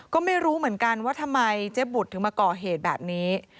ก็ไม่รู้เหมือนกันว่าทำไมเจ๊บุตรถึงมาก่อเหตุแบบนี้